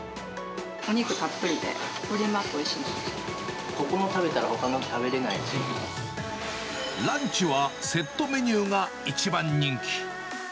お肉たっぷりで、ここの食べたら、ほかの食べランチはセットメニューが一番人気。